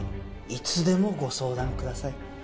いつでもご相談ください。